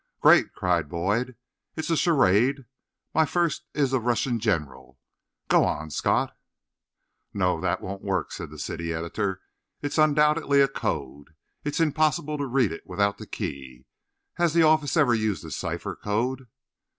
"Great!" cried Boyd. "It's a charade. My first is a Russian general. Go on, Scott." "No, that won't work," said the city editor. "It's undoubtedly a code. It's impossible to read it without the key. Has the office ever used a cipher code?"